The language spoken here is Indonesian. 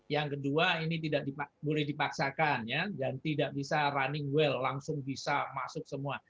yang kedua ini tidak boleh dipaksakan dan tidak bisa running well langsung bisa masuk semua